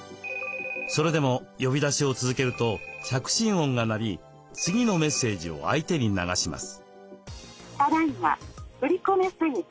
それでも呼び出しを続けると着信音が鳴り次のメッセージを相手に流します。